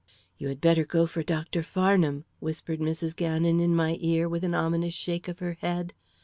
"You had better go for Dr. Farnham," whispered Mrs. Gannon in my ear, with an ominous shake of her head.